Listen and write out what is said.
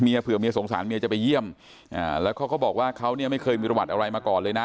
เผื่อเมียสงสารเมียจะไปเยี่ยมอ่าแล้วเขาก็บอกว่าเขาเนี่ยไม่เคยมีประวัติอะไรมาก่อนเลยนะ